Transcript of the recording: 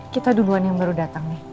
kita duluan yang baru datang nih